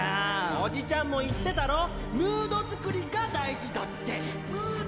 おじちゃんも言ってたろムード作りが大事だって。